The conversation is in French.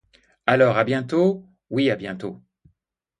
Alors, à bientôt? Oui, à bientôt.